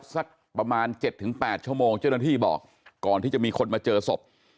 สักประมาณ๗๘ชั่วโมงเจ้าหน้าที่บอกก่อนที่จะมีคนมาเจอศพ